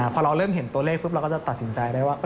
พอเราเริ่มเห็นตัวเลขปุ๊บเราก็จะตัดสินใจได้ว่า